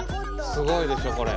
すごいでしょこれ。